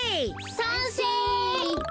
さんせい！